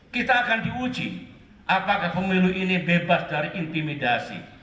kita akan diuji apakah pemilu ini bebas dari intimidasi